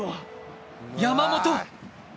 山本。